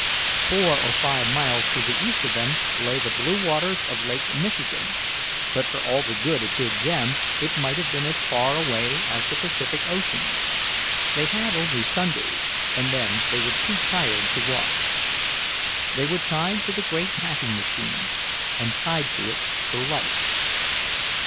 Four or five miles to the east of them lay the blue waters of Lake Michigan; but for all the good it did them it might have been as far away as the Pacific Ocean. They had only Sundays, and then they were too tired to walk. They were tied to the great packing machine, and tied to it for life.